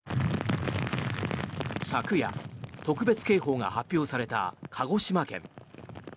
昨夜、特別警報が発表された鹿児島県。